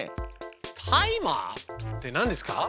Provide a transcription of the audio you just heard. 「タイマー」って何ですか？